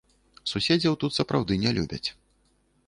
Суседзяў тут сапраўды не любяць.